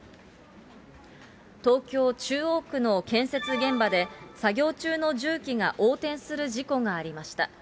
東京・中央区の建設現場で、作業中の重機が横転する事故がありました。